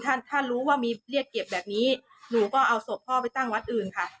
ถ้าถ้ารู้ว่ามีเรียกเก็บแบบนี้หนูก็เอาศพพ่อไปตั้งวัดอื่นค่ะ